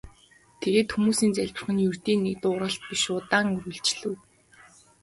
Тэгээд хүмүүсийн залбирах нь ердийн нэг дуугаралт биш удаан үргэлжлэв.